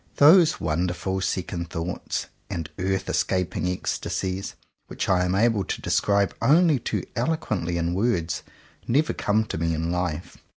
Those wonderful second thoughts and earth escap ing ecstasies, which I am able to describe only too eloquently in words, never come to me in life.